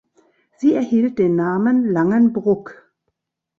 Sie erhielt den Namen „Langenbruck“.